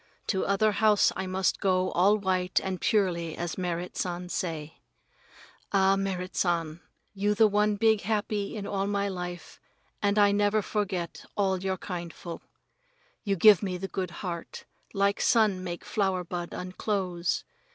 To other house I must go all white and purely as Merrit San say. Ah, Merrit San, you the one big happy in all my life and I never forget all your kindful. You give me the good heart, like sun make flower bud unclose.